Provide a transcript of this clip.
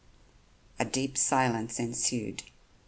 A deep silence ensued.